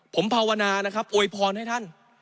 ผมภาวนานะครับอวยพรให้ท่าน